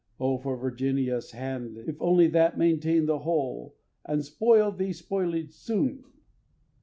O for Virginius' hand, if only that Maintain the whole, and spoil these spoilings soon!